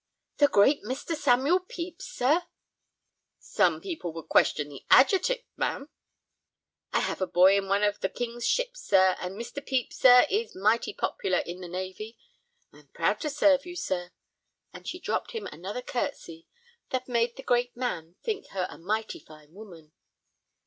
"The great Mr. Samuel Pepys, sir?" "Some people would question the adjective, ma'am." "I have a boy in one of the King's ships, sir, and Mr. Pepys, sir, is mighty popular in the navy. I am proud to serve you, sir." And she dropped him another curtesy that made the great man think her a mighty fine woman.